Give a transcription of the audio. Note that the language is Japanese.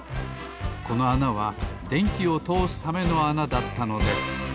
このあなはでんきをとおすためのあなだったのです。